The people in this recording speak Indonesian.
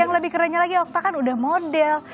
yang lebih kerennya lagi okta kan udah model